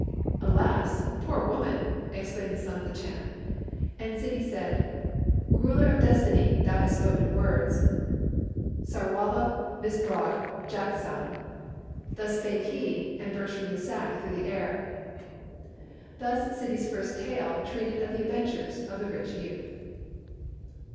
"Alas! poor woman!" exclaimed the son of the Chan; and Ssidi said, "Ruler of Destiny, thou hast spoken words: Ssarwala missbrod jakzang!" Thus spake he, and burst from the sack through the air. Thus Ssidi's first tale treated of the adventures of the rich youth.